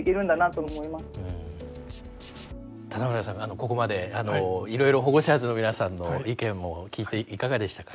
ここまでいろいろホゴシャーズの皆さんの意見も聞いていかがでしたか？